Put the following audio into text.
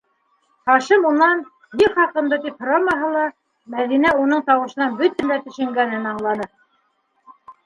Хашим унан, ни хаҡында, тип һорамаһа ла, Мәҙинә уның тауышынан бөтәһен дә төшөнгәнен аңланы.